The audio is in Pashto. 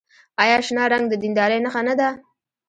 آیا شنه رنګ د دیندارۍ نښه نه ده؟